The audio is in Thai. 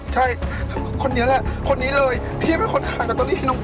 ใช่คนนี้แหละคนนี้เลยที่เป็นคนขายลอตเตอรี่ให้น้อง